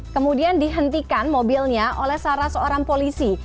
kemudian dihentikan mobilnya oleh salah seorang polisi